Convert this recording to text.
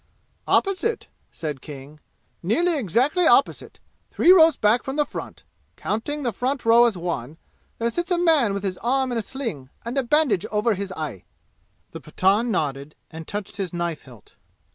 "Opposite," said King, "nearly exactly opposite three rows back from the front, counting the front row as one there sits a man with his arm in a sling and a bandage over his eye." The Pathan nodded and touched his knife hilt.